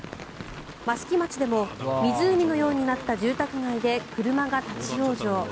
益城町でも湖のようになった住宅街で車が立ち往生。